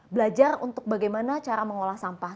belajar untuk bagaimana cara mengolah sampah